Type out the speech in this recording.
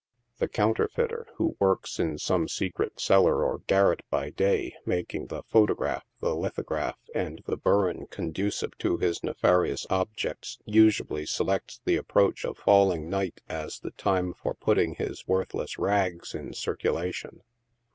The counterfeiter, who works in some secret cellar or garret by day, making the photograph, the lithograph and the burin condu cive to his nefarious objects, usually selects the approach of falling night as the time for putting his worthless *\ rags" in circulation.